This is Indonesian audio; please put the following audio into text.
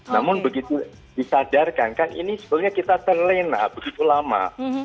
namun begitu disadarkan kan ini sebetulnya kita terlena begitu lama